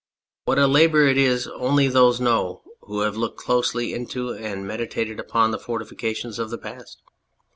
What a labour it is only those know who have looked closely into and meditated upon the fortifications of the past.